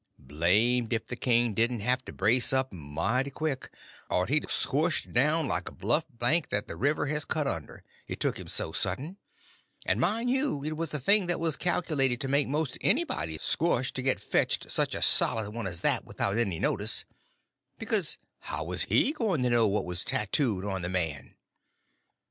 Blamed if the king didn't have to brace up mighty quick, or he'd a squshed down like a bluff bank that the river has cut under, it took him so sudden; and, mind you, it was a thing that was calculated to make most anybody sqush to get fetched such a solid one as that without any notice, because how was he going to know what was tattooed on the man?